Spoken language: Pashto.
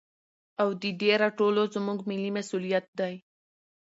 او د دې راټولو زموږ ملي مسوليت دى.